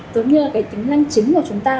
giống như là cái tính năng chính của chúng ta